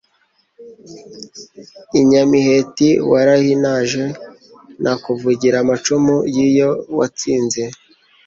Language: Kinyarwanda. I Nyamiheti warahinaje Nakuvugira amacumu y'iyo watsinze,